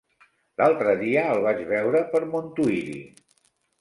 L'altre dia el vaig veure per Montuïri.